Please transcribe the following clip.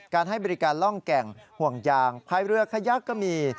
ให้บริการร่องแก่งห่วงยางพายเรือขยักก็มี